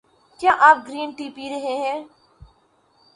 کیا آپ green tea پی رہے ہے؟